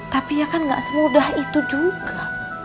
tapi ya kan gak semudah itu juga